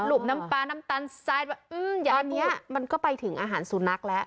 หลุบน้ำปลาน้ำตันอืมตอนเนี้ยมันก็ไปถึงอาหารสุนัขแล้ว